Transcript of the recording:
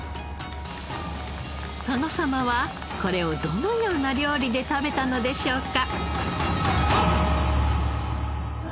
殿様はこれをどのような料理で食べたのでしょうか？